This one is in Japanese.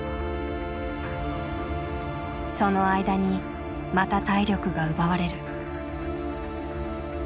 その間にまた体力が奪われる。